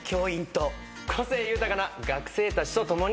個性豊かな学生たちと共に。